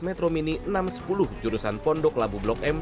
metro mini enam ratus sepuluh jurusan pondok labu blok m